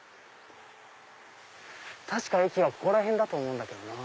確か駅はここら辺だと思うんだけどな。